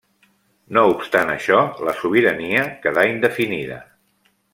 No obstant això, la sobirania quedà indefinida.